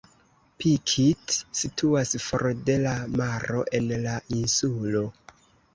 Pikit situas for de la maro en la insulo.